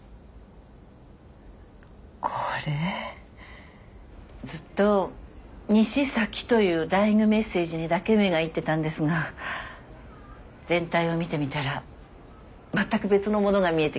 これずっと「にしさき」というダイイングメッセージにだけ目がいってたんですが全体を見てみたらまったく別のものが見えてきたんです。